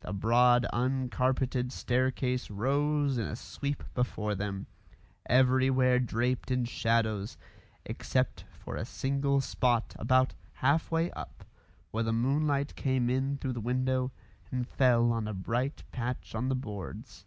The broad uncarpeted staircase rose in a sweep before them, everywhere draped in shadows, except for a single spot about half way up where the moonlight came in through the window and fell on a bright patch on the boards.